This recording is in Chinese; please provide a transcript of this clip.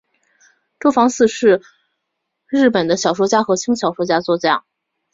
周防司是日本的小说家和轻小说作家。